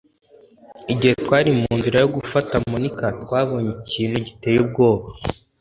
Igihe twari mu nzira yo gufata Monika, twabonye ikintu giteye ubwoba